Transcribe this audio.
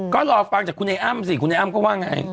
ก็รอฟังจากคุณไอ้อ้ำสิคุณไอ้อ้ำก็ว่าไง